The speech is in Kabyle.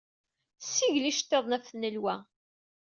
Ssigel iceḍḍiten ɣef tnelwa.